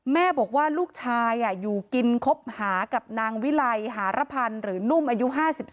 แม่บอกว่าลูกชายอยู่กินคบหากับนางวิไลหารพันธ์หรือนุ่มอายุ๕๒